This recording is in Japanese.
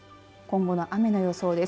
今後の雨の予想です。